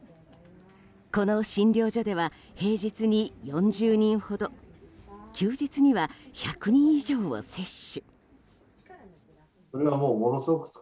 この診療所では平日に４０人ほど休日には１００人以上を接種。